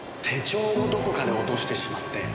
手帳をどこかで落としてしまって。